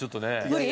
無理？